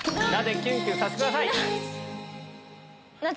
キュンキュンさせてください。